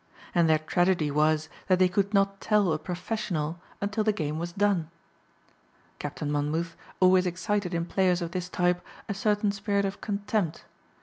And their tragedy was that they could not tell a professional until the game was done. Captain Monmouth always excited in players of this type a certain spirit of contempt.